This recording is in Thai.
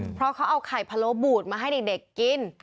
เพราะเขาเอาไข่พะโลบูดมาให้เด็กกิน